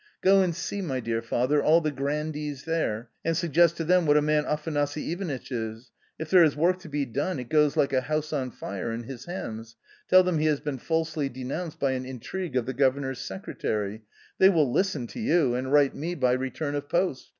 Go and see, my dear father, all the grandees there, and suggest to them what a man Afanasy Ivanitch is ; if there is work to be done it goes like a house on fire in his hands ; tell them he has been falsely denounced by an intrigue of the governor's secretary — they will listen to you, and write me by return of post.